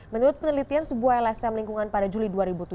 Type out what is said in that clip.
menurut penelitian sebuah lsm lingkungan pada juli dua ribu tujuh belas